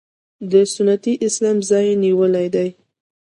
د سنتي اسلام ځای یې نیولی دی.